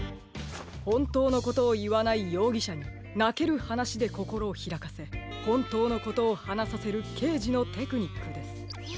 ほんとうのことをいわないようぎしゃになけるはなしでこころをひらかせほんとうのことをはなさせるけいじのテクニックです。へ！